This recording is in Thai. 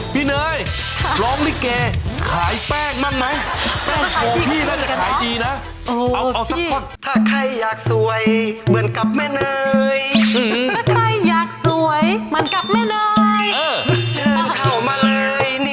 พี่เนยเรา้งลิเกศ์ขายแป้งบ้างไหม